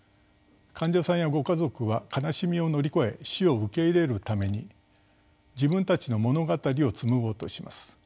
患者さんやご家族は悲しみを乗り越え死を受け入れるために自分たちの物語を紡ごうとします。